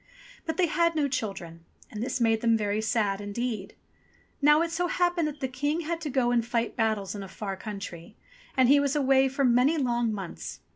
But they had no children, and this made them very sad indeed. Now it so happened that the King had to go and fight battles in a far country, and he was away for many long months.